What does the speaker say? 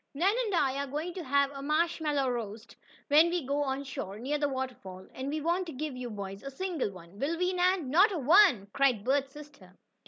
"Nan and I are going to have a marshmallow roast, when we go on shore near the waterfall, and we won't give you boys a single one, will we, Nan?" "Not a one!" cried Bert's sister.